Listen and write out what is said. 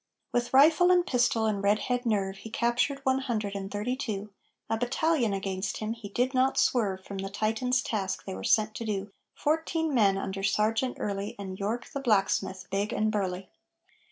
With rifle and pistol and redhead nerve He captured one hundred and thirty two; A battalion against him, he did not swerve From the Titans' task they were sent to do Fourteen men under Sergeant Early And York, the blacksmith, big and burly.